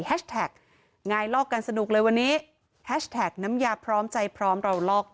แพลคแท็กงายลอกกันสนุกเลยวันนี้แพลคต์น้ำยาพร้อมใจพร้อมเราลอกได้